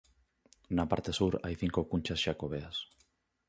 Na parte sur hai cinco cunchas xacobeas.